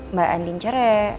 mbak andin cerai